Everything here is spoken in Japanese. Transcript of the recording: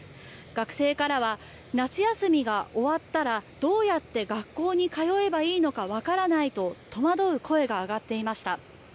学生からは、夏休みが終わったらどうやって学校に通えばいいのか分からないなどと戸惑う声が上がっていました。